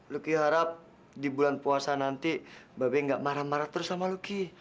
lucky harap di bulan puasa nanti bebe nggak marah marah terus sama lucky